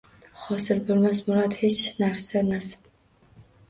Hosil bo’lmas murod, hech narsa nasib